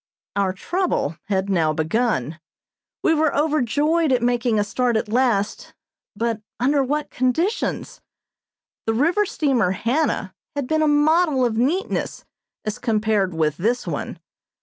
Our trouble had now begun. We were overjoyed at making a start at last, but under what conditions! The river steamer "Hannah" had been a model of neatness as compared with this one.